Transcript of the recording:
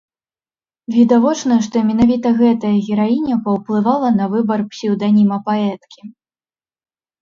Відавочна, што менавіта гэтая гераіня паўплывала на выбар псеўданіма паэткі.